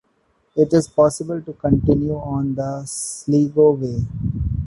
It is possible to continue on the Sligo Way.